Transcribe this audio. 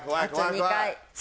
あと２回。